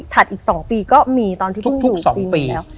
ถัดอีก๒ปีก็มีตอนที่พุ่งถูกตีมีแล้ว